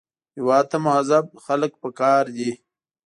هېواد ته مهذب خلک پکار دي